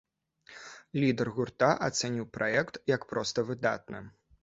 Лідар гурта ацаніў праект як проста выдатны.